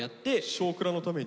「少クラ」のために？